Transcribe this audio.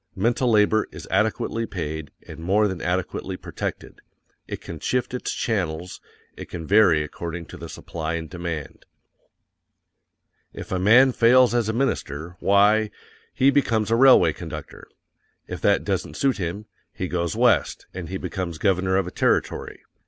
MENTAL LABOR is adequately paid_, and MORE THAN ADEQUATELY protected. IT CAN SHIFT ITS CHANNELS; it can vary according to the supply and demand. _IF A MAN FAILS AS A MINISTER, why, he becomes a railway conductor. IF THAT DOESN'T SUIT HIM, he goes West, and becomes governor of a territory.